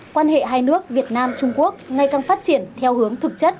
quan hệ hai nước việt nam trung quốc ngày càng phát triển theo hướng thực chất